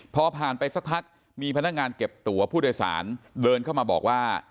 พอผ่านไปสักพักมีพนักงานเก็บตัวผู้โดยสารเดินเข้ามาบอกว่า